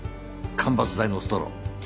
間伐材のストロー。